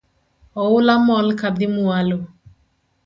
Oula mol kadhi mwalo